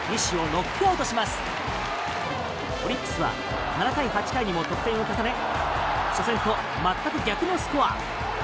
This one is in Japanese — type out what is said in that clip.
オリックスは７回、８回にも得点を重ね初戦とは全く逆のスコア。